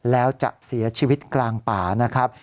แล้วจะเสียชีวิตกลางป่านะครับ